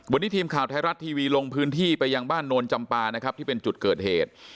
วันนี้ทีมข่าวไทยรัฐทีวีลงพื้นที่ไปยังบ้านโนนจำปานะครับที่เป็นจุดเกิดเหตุ